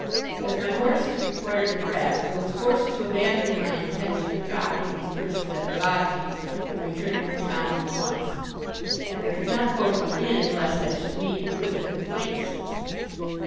As my horses required a rest, I was forced to abandon my intention of dropping these persons at their lodgings and returning to town at once, and I could not go to the inn lest I should meet inquisitive acquaintances.